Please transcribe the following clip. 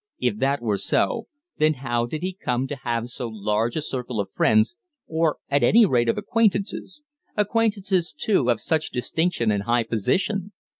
If that were so, then how did he come to have so large a circle of friends, or at any rate of acquaintances acquaintances, too, of such distinction and high position?